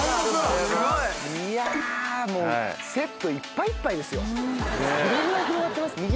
いやもうセットいっぱいいっぱいですよ。ねぇ。